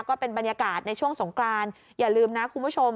ก็เป็นบรรยากาศในช่วงสงกรานอย่าลืมนะคุณผู้ชม